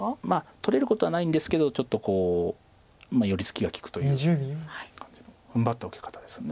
取れることはないんですけどちょっと寄り付きが利くという感じの踏ん張った受け方です。